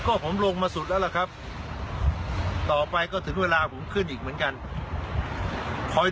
โอ้โฮอากาศมันช่างบริสุทธิ์